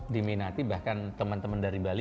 diminati bahkan teman teman dari bali